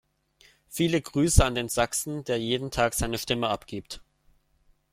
Viele Grüße an den Sachsen, der jeden Tag seine Stimme abgibt!